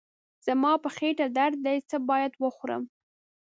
زما په خېټه درد دی، څه باید وخورم؟